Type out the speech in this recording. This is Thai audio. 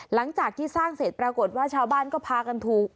หลังจากที่สร้างเสร็จปรากฏว่าชาวบ้านก็พากันถูก